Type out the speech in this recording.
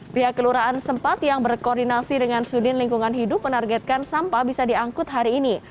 pihak kelurahan sempat yang berkoordinasi dengan sudin lingkungan hidup menargetkan sampah bisa diangkut hari ini